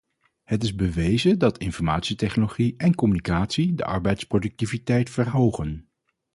Het is bewezen dat informatietechnologie en communicatie de arbeidsproductiviteit verhogen.